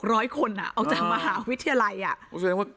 ร้อยคนอ่ะออกจากมหาวิทยาลัยอ่ะ